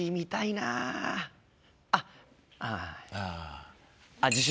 あっあぁ。